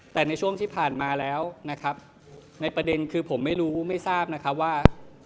แต่ในช่วงที่ผ่านมาแล้วนะครับในประเด็นคือผมไม่รู้ไม่ทราบนะครับว่า